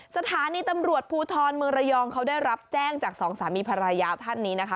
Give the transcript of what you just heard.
สถานีตำรวจภูทรเมืองระยองเขาได้รับแจ้งจากสองสามีภรรยาท่านนี้นะคะ